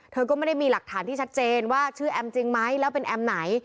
เธอก็ไม่ได้มีหลักฐานที่ชัดเจนว่าชื่อแอมจริงไหมแล้วเป็นแอมไหน